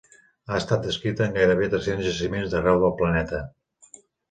Ha estat descrita en gairebé tres-cents jaciments d'arreu del planeta.